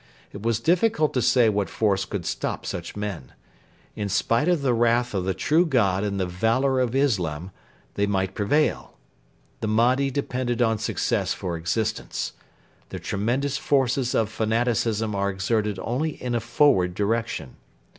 It was difficult to say what force could stop such men. In spite of the wrath of the true God and the valour of Islam they might prevail. The Mahdi depended on success for existence. The tremendous forces of fanaticism are exerted only in a forward direction.